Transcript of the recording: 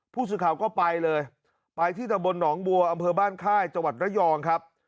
ผู้สื่อข่าวก็ไปเลยไปที่ตะบนหนองบัวอำเภอบ้านค่ายจังหวัดระยองครับ